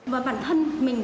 vợ bản thân mình